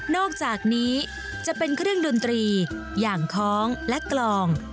อกจากนี้จะเป็นเครื่องดนตรีอย่างคล้องและกลอง